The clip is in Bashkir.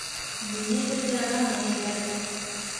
Мине һеҙгә РОНО ебәрҙе.